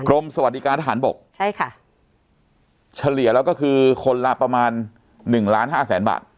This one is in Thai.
สวัสดีการทหารบกใช่ค่ะเฉลี่ยแล้วก็คือคนละประมาณหนึ่งล้านห้าแสนบาท